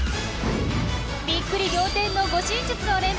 びっくり仰天の護身術を連発！